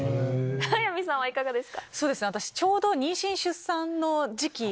早見さんはいかがですか？